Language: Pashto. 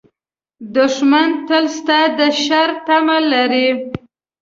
دښمن تل ستا د شر تمه لري